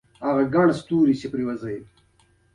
زمونږ مزل د مزار په لور و.